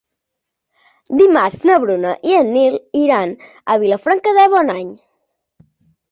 Dimarts na Bruna i en Nil iran a Vilafranca de Bonany.